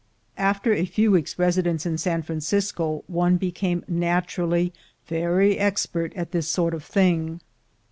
After a few weeks' residence in San Francisco, one became naturally very expert at this sort of thing.